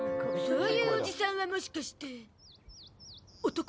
そういうおじさんはもしかして男？